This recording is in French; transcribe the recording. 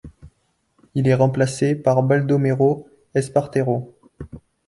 Il est remplacé par Baldomero Espartero.